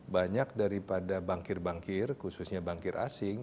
banyak daripada bankir bankir khususnya bankir asing